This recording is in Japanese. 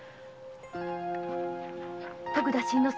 徳田新之助